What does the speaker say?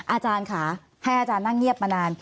อาจารย์ค่ะให้อาจารย์นั่งเงียบมานาน